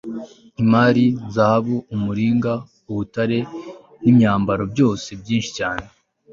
imari, zahabu, umuringa, ubutare n'imyambaro, byose byinshi cyane